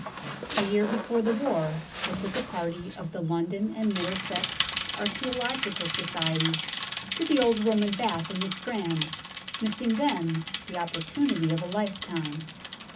A year before the War I took a party of the London and Middlesex Archaeological Society to the old Roman Bath in the Strand, missing then the opportunity of a lifetime.